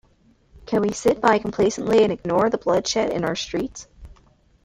Can we sit by complacently and ignore the bloodshed in our streets?